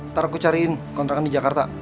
ntar aku cariin kontrakan di jakarta